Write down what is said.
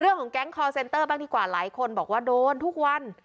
แก๊งคอร์เซ็นเตอร์บ้างดีกว่าหลายคนบอกว่าโดนทุกวัน